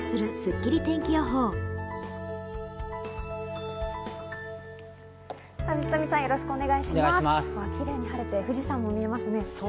キレイに晴れて富士山も見えますね。